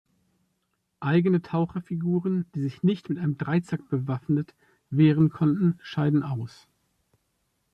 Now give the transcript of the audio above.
Eigene Taucher-Figuren, die sich nicht mit einem Dreizack bewaffnet wehren konnten, scheiden aus.